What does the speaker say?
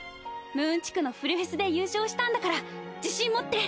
ムーン地区のフレフェスで優勝したんだから自信持って！